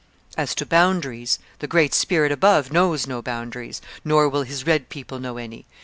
As to boundaries, the Great Spirit above knows no boundaries, nor will His red people know any...